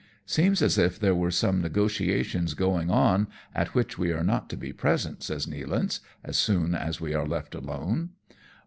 " Seems as if there were some negotiations going on at which we are not to be present," says Nealance, as soon as we are left alone.